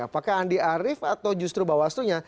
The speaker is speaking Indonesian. apakah adi arief atau justru bawaslu nya